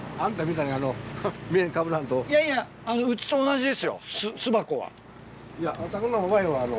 いやいやうちと同じですよ巣箱は。